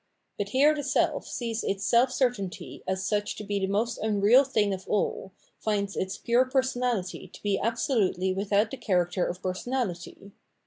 But here the self sees its self certainty as such to be the most unreal thing of aU, finds its pure personality to be absolutely without the character of personality.